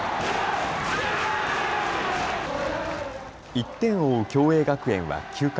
１点を追う共栄学園は９回。